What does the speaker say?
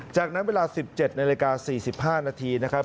จากนั้นเวลา๑๗นาฬิกา๔๕นาทีนะครับ